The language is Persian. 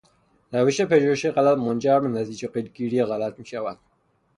روش پژوهش غلط منجر به نتیجهگیری غلط میشود.